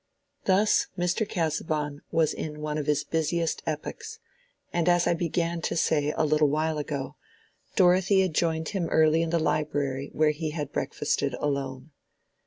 Thus Mr. Casaubon was in one of his busiest epochs, and as I began to say a little while ago, Dorothea joined him early in the library where he had breakfasted alone.